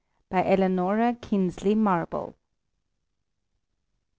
ELANORA KINSLEY MARBLE.